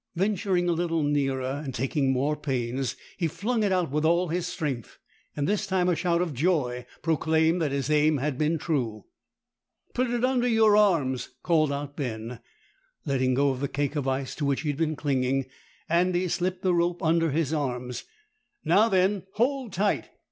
Venturing a little nearer, and taking more pains, he flung it out with all his strength, and this time a shout of joy proclaimed that his aim had been true. "Put it under your arms," called out Ben. Letting go the cake of ice to which he had been clinging, Andy slipped the rope under his arms. "Now, then, hold tight."